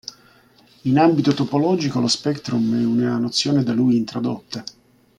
In ambito topologico, lo spectrum è una nozione da lui introdotta.